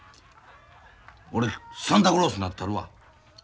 俺サンタクロースになったるわ。